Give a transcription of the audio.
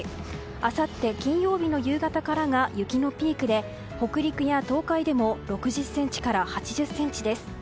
あさって金曜日の夕方からが雪のピークで北陸や東海でも６０ｃｍから８０ｃｍです。